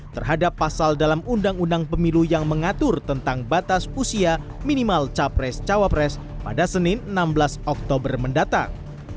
terhadap pasal dalam undang undang pemilu yang mengatur tentang batas usia minimal capres cawapres pada senin enam belas oktober mendatang